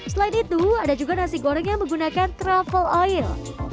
selain itu ada juga nasi goreng yang menggunakan travel oil